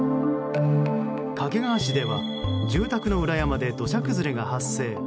掛川市では住宅の裏山で土砂崩れが発生。